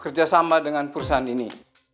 kerja sama dengan perusahaan ini